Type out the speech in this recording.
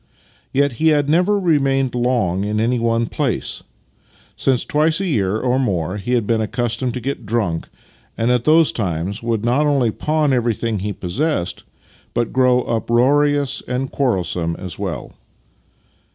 Yet he had never remained long in any one place, since twice a year, or more, he had been accustomed to get dnmk, and at those times would not only pawn every thing he possessed, but grow uproarious and quarrel some as well.